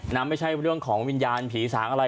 ไม่ใช่เรื่องของวิญญาณผีสางอะไร